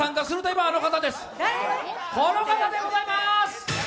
この方でございます！